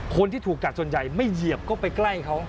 คนที่ถูกกัดส่วนใหญ่ไม่เหยียบก็ไปใกล้เขา